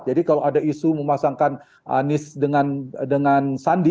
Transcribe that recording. jadi kalau ada isu memasangkan anies dengan sandi